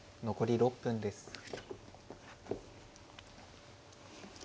残り６分です。